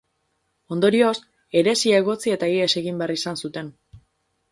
Ondorioz, heresia egotzi eta ihes egin behar izan zuten.